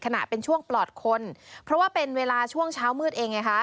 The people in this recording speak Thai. ขณะเป็นช่วงปลอดคลพอว่าเป็นเวลาช่วงเช้ามืดเอง